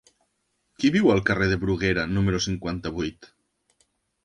Qui viu al carrer de Bruguera número cinquanta-vuit?